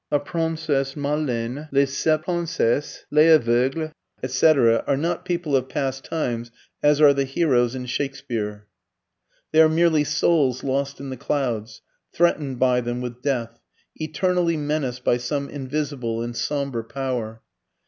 La Princesse Maleine, Les Sept Princesses, Les Aveugles, etc., are not people of past times as are the heroes in Shakespeare. They are merely souls lost in the clouds, threatened by them with death, eternally menaced by some invisible and sombre power.